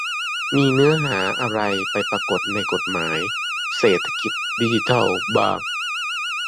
มีเนื้อหาอะไรไปปรากฏในกฎหมาย "เศรษฐกิจดิจิทัล" บ้าง ?